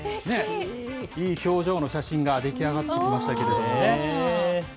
いい表情の写真が出来上がってきましたけどね。